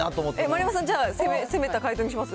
丸山さん、攻めた解答にします？